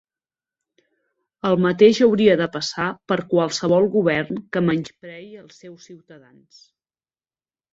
El mateix hauria de passar per qualsevol govern que menysprei els seus ciutadans.